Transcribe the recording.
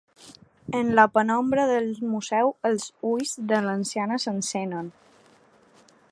En la penombra del museu els ulls de l'anciana s'encenen.